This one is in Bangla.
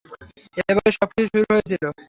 এভাবেই সবকিছুর শুরু হয়েছিল।